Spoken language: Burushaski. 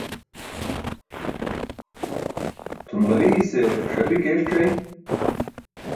Tʰum ġaliise ṣapik eeṣc̣ay,